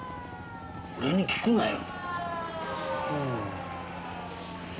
俺に聞くなよ。